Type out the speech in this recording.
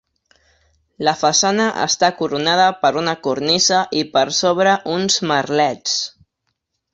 La façana està coronada per una cornisa i per sobre uns merlets.